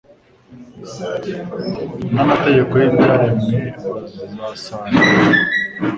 Na mategeko y’ibyaremwe bazasarura